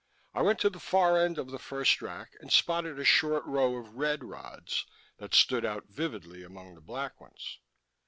I went to the far end of the first rack and spotted a short row of red rods that stood out vividly among the black ones.